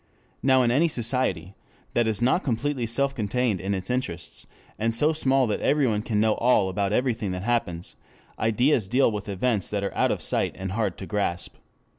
Now in any society that is not completely self contained in its interests and so small that everyone can know all about everything that happens, ideas deal with events that are out of sight and hard to grasp.